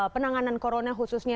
penanganan corona khususnya